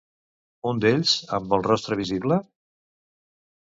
Un d'ells amb el rostre visible?